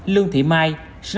lương thị mai